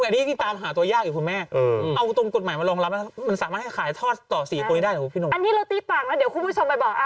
คนที่หนึ่งเดี๋ยวบ้านลดเมล์แองจี้ไม่ได้ซื้อกันนะคะ